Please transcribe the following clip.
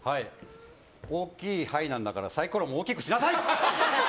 大きい牌なんだからサイコロも大きくしなさいよ！